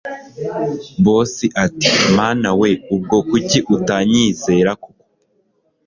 Boss ati mana we ubwo kuki utanyizera koko